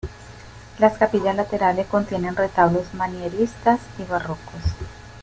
Las capillas laterales contienen retablos manieristas y barrocos.